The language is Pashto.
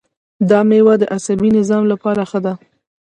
دا میوه د عصبي نظام لپاره ښه ده.